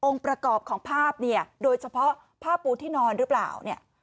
ประกอบของภาพเนี่ยโดยเฉพาะผ้าปูที่นอนหรือเปล่าเนี่ย